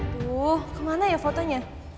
tuh kemana ya fotonya